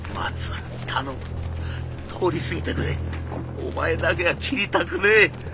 お前だけは斬りたくねえ」。